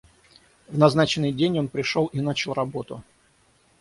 В назначенный день он пришел и начал работу.